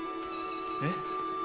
えっ？